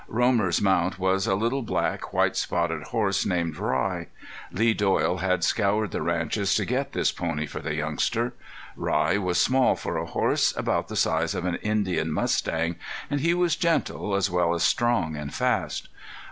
Romer's mount was a little black, white spotted horse named Rye. Lee Doyle had scoured the ranches to get this pony for the youngster. Rye was small for a horse, about the size of an Indian mustang, and he was gentle, as well as strong and fast.